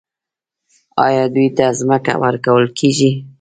آیا دوی ته ځمکه ورکول کیږي؟